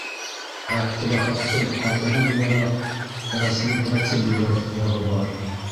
Әптеләхәттең ҡатыны булараҡ, рәсми процедура яғы бар.